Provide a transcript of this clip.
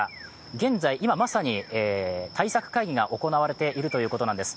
現在、まさに対策会議が行われているということなんです。